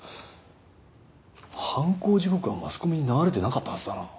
犯行時刻はマスコミに流れてなかったはずだな？